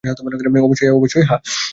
অবশ্যই, হ্যাঁ।